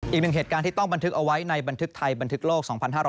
อีกหนึ่งเหตุการณ์ที่ต้องบันทึกเอาไว้ในบันทึกไทยบันทึกโลก๒๕๖๐